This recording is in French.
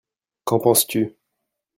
Qu'en penses-tu ?